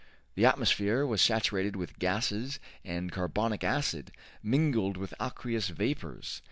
The atmosphere was saturated with gases and carbonic acid, mingled with aqueous vapors.